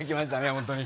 本当に。